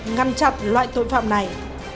ngăn chặt loại tội phạm này